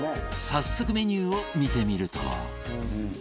早速メニューを見てみると